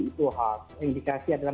itu hal indikasi adalah